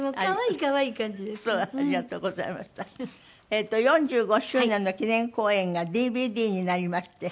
えっと４５周年の記念公演がＤＶＤになりまして。